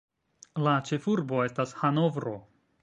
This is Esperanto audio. La ĉefurbo estas Hanovro.